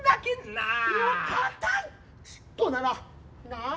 なあ。